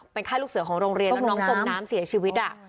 ค่ายลูกเสือของโรงเรียนแล้วน้องจมน้ำเสียชีวิต